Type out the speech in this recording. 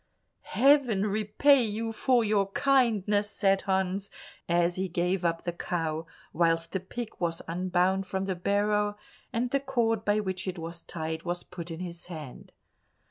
"Heaven repay you for your kindness!" said Hans as he gave up the cow, whilst the pig was unbound from the barrow, and the cord by which it was tied was put in his hand.